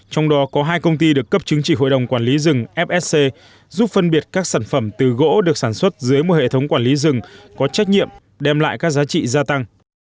trong đó có hai công ty được cấp chứng chỉ hội đồng quản lý rừng fsc giúp phân biệt các sản phẩm từ gỗ được sản xuất dưới một hệ thống quản lý rừng có trách nhiệm đem lại các giá trị gia tăng